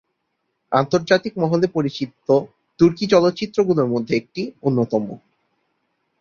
আন্তর্জাতিক মহলে পরিচিত তুর্কি চলচ্চিত্রগুলোর মধ্যে এটি অন্যতম।